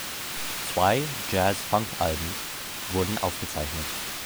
Zwei Jazz-Funk-Alben wurden aufgezeichnet.